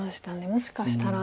もしかしたら。